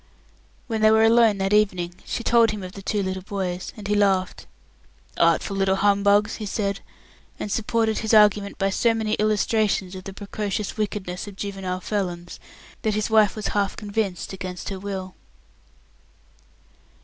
When they were alone that evening, she told him of the two little boys, and he laughed. "Artful little humbugs," he said, and supported his argument by so many illustrations of the precocious wickedness of juvenile felons, that his wife was half convinced against her will.